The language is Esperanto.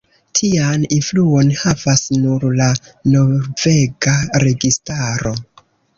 Tian influon havas nur la norvega registaro.